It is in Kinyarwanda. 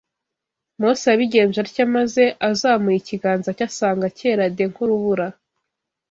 Mose yabigenje atyo maze azamuye ikiganza cye asanga cyera de nk’urubura!